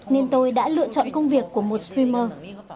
nên tôi đã lựa chọn công việc của một streamer